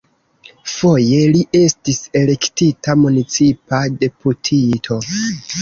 Foje li estis elektita municipa deputito.